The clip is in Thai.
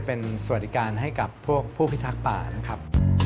เป็นสวัสดิการให้กับพวกผู้พิทักษ์ป่านะครับ